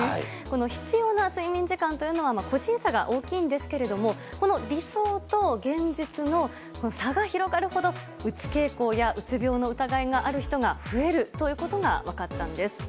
必要な睡眠時間は個人差が大きいんですけれどもこの理想と現実の差が広がるほどうつ傾向やうつ病の疑いがある人が増えるということが分かったんです。